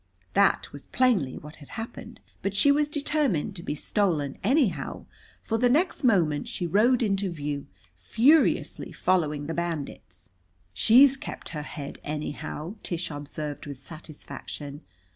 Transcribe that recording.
That was plainly what had happened, but she was determined to be stolen anyhow, for the next moment she rode into view, furiously following the bandits. "She's kept her head anyhow," Tish observed with satisfaction.